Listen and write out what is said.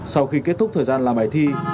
sau khi kết thúc thời gian làm bài thi